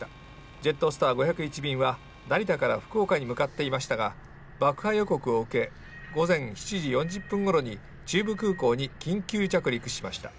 ジェットスター５０１便は成田から福岡に向かっていましたが、爆破予告を受け、午前７時４０分ごろに中部空港に緊急着陸しました。